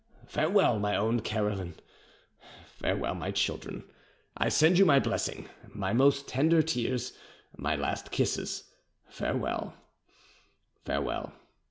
Farewell, my own Caroline. Farewell, my children. I send you my blessing, my most tender tears, my last kisses. Farewell, farewell.